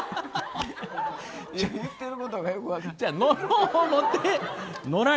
言ってることがよく分からん。